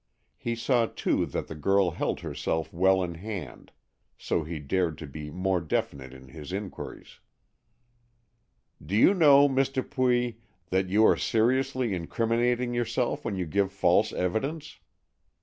He saw, too, that the girl held herself well in hand, so he dared to be more definite in his inquiries. "Do you know, Miss Dupuy, that you are seriously incriminating yourself when you give false evidence?"